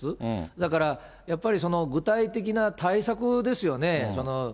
だから、やっぱりその具体的な対策ですよね。